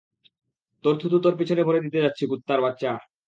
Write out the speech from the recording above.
তোর থুথু তোর পিছনে ভরে দিতে যাচ্ছি, কুত্তার বাচ্চা!